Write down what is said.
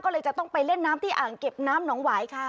ก็เลยจะต้องไปเล่นน้ำที่อ่างเก็บน้ำหนองหวายค่ะ